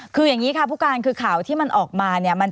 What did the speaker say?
คือยังงี้ค่ะผู้การค่าวที่มันออกมา